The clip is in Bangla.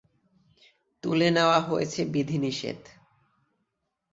তুলে নেওয়া হয়েছে বিধিনিষেধ।